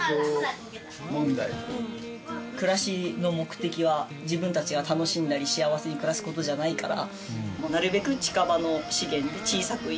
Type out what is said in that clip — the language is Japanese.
暮らしの目的は自分たちが楽しんだり幸せに暮らす事じゃないから。